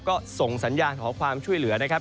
ก็ส่งสัญญาณขอความช่วยเหลือนะครับ